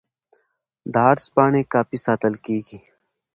د عرض پاڼې کاپي ساتل کیږي.